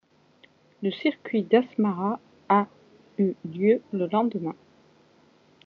Le Circuit d'Asmara a eu lieu le lendemain.